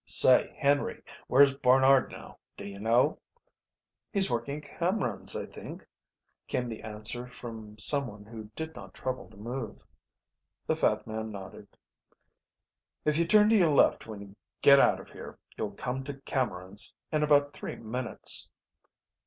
"Say, Henry, where's Barnard now, d'you know?" "He's working at Cameron's, I think," came the answer from someone who did not trouble to move. The fat man nodded. "If you turn to your left when you get out of here you'll come to Cameron's in about three minutes."